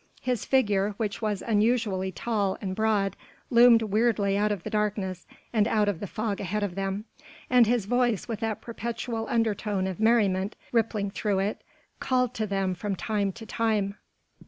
His figure which was unusually tall and broad loomed weirdly out of the darkness and out of the fog ahead of them, and his voice with that perpetual undertone of merriment rippling through it, called to them from time to time.